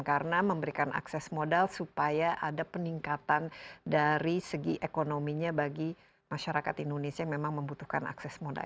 karena memberikan akses modal supaya ada peningkatan dari segi ekonominya bagi masyarakat indonesia yang memang membutuhkan akses modal